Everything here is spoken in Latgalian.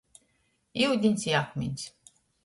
Iudiņs i akmiņs.